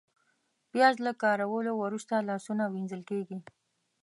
پیاز له کارولو وروسته لاسونه وینځل کېږي